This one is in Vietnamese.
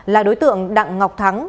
là đối tượng đặng ngọc thắng